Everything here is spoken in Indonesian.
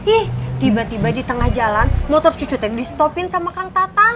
ih tiba tiba di tengah jalan motor cucu tem di stopin sama kang tatang